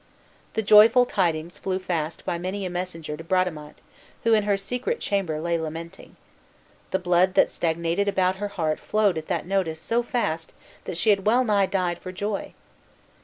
The joyful tidings flew fast by many a messenger to Bradamante, who in her secret chamber lay lamenting. The blood that stagnated about her heart flowed at that notice so fast, that she had wellnigh died for joy.